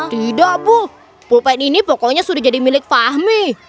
tidak bu pulpen ini pokoknya sudah jadi milik fahmi